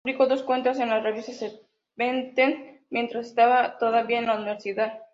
Publicó dos cuentos en la revista "Seventeen", mientras estaba todavía en la universidad.